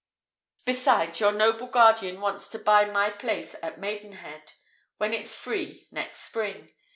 Besides, your noble guardian wants to buy my place at Maidenhead, when it's free, next spring.